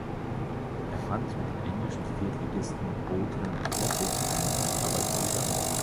Er fand mit dem englischen Viertligisten Oldham Athletic einen neuen Arbeitgeber.